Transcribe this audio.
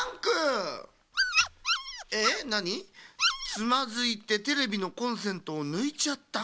「つまずいてテレビのコンセントをぬいちゃった」。